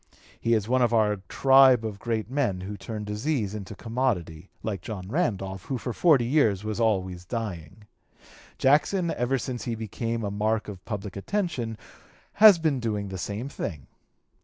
He is one of our tribe of great men who turn disease to commodity, like John Randolph, who for forty years was always dying. Jackson, ever since he became a mark of public attention, has been doing the same thing....